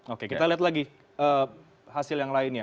oke kita lihat lagi hasil yang lainnya